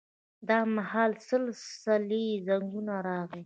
دا مهال د سلسلې زنګ راغی.